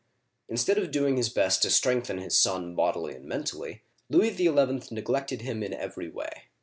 Instead of doing his best to strengthen his son bodily and mentally, Louis XL neglected him in every way.